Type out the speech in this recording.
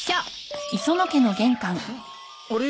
あれ？